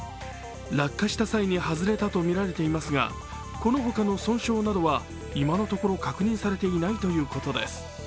落下した際に外れてとみられていますが、この他の損傷などは今のところ、確認されていないということです。